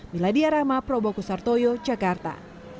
meladia rahma prabowo kusartoyo jakarta